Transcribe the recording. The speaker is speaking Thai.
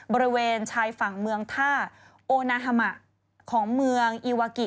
บริเวณชายฝั่งเมืองท่าโอนาฮามะของเมืองอีวากิ